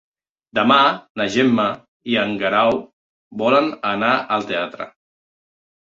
Demà na Gemma i en Guerau volen anar al teatre.